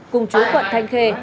cùng chú quận thanh khê